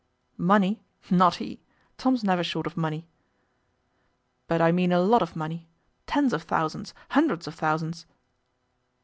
'Money! Not he! Tom's never short of money.' 'But I mean a lot of money tens of thousands, hundreds of thousands?